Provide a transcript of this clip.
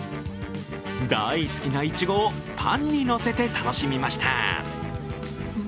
大好きないちごをパンにのせて楽しみました。